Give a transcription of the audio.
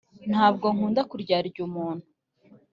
ntabwo nkunda kuryarya umuntu